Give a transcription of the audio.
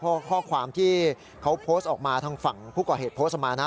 เพราะข้อความที่เขาโพสต์ออกมาทางฝั่งผู้ก่อเหตุโพสต์ออกมานะ